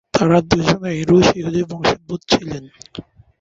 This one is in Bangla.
তারা দুজনেই রুশ ইহুদি বংশোদ্ভূত ছিলেন।